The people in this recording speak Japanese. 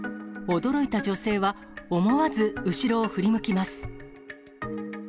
驚いた女性は、思わず後ろを振り向きます。